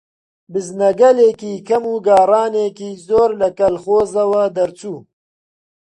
بزنەگەلێکی کەم و گاڕانێکی زۆر لە کەڵخۆزەوە دەردەچوو